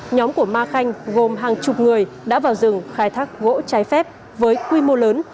nhóm của ma khanh gồm hàng chục người đã vào rừng khai thác gỗ trái phép với quy mô lớn